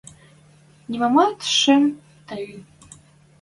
Нимамат шӹм тайы.